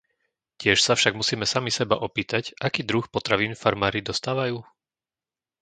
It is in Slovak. Tiež sa však musíme sami seba opýtať, aký druh potravín farmári dostávajú?